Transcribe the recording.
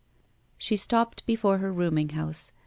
She stopped before her roonmig house.